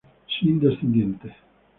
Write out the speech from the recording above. Sin descendientes.